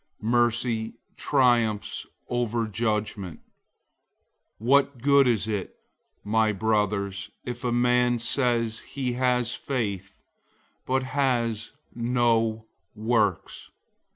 Mercy triumphs over judgment. 002:014 What good is it, my brothers, if a man says he has faith, but has no works?